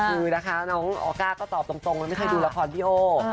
คือนะคะน้องออก้าก็ตอบตรงแล้วไม่ค่อยดูละครพี่โอ